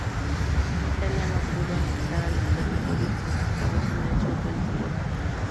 Italia no pudo anexar los territorios conquistados en el sur del Tirol.